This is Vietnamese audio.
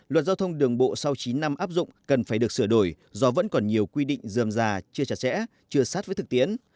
luật giao thông đường bộ sau chín năm áp dụng cần phải được sửa đổi do vẫn còn nhiều quy định dườm già chưa chặt chẽ chưa sát với thực tiễn